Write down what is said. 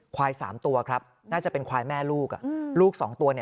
ควายสามตัวครับน่าจะเป็นควายแม่ลูก